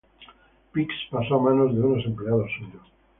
Pix pasó a manos de unos empleados suyos.